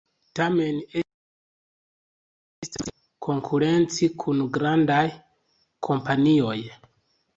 Tamen estas tre malfacile konkurenci kun grandaj kompanioj.